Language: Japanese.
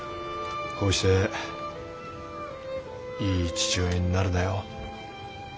ほうしていい父親になるだよ。